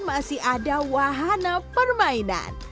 masih ada wahana permainan